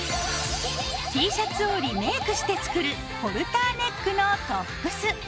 Ｔシャツをリメイクして作るホルターネックのトップス。